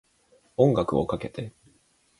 音楽をかけて